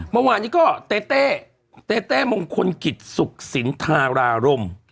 เมื่อวานี้ก็เต๊ะมงคลกิจสุขสินธารารมณ์